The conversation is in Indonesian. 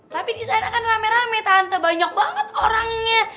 tapi disana kan rame rame tante banyak banget orangnya